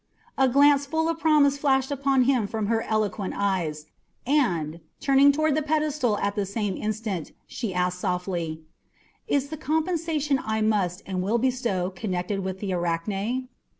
A glance full of promise flashed upon him from her eloquent eyes, and, turning toward the pedestal at the same instant, she asked softly, "Is the compensation I must and will bestow connected with the Arachne?"